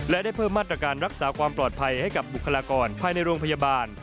และได้เพิ่มมาตรการรักษาความปลอดภัยให้กับบุคลากรภายในโรงพยาบาล